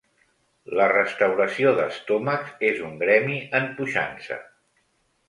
La restauració d'estómacs és un gremi en puixança.